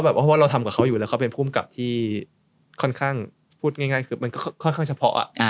เพราะว่าเราทำกับเขาอยู่แล้วเขาเป็นภูมิกับที่ค่อนข้างพูดง่ายคือมันค่อนข้างเฉพาะ